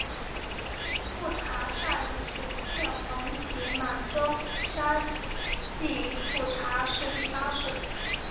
富察善属镶黄旗满洲沙济富察氏第八世。